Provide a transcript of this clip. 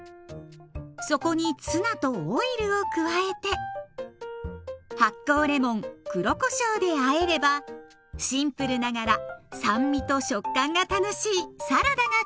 そこにツナとオイルを加えて発酵レモン黒こしょうであえればシンプルながら酸味と食感が楽しいサラダが完成。